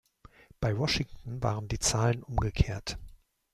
Bei Washington waren die Zahlen umgekehrt.